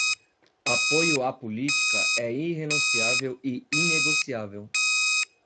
Apoio à política é irrenunciável e inegociável